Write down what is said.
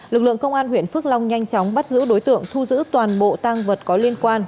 lực lượng công an huyện phước long nhanh chóng bắt giữ đối tượng thu giữ toàn bộ tăng vật có liên quan